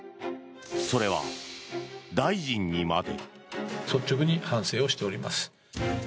それは大臣にまで。